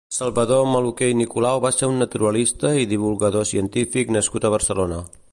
Salvador Maluquer i Nicolau va ser un naturalista i divulgador científic nascut a Barcelona.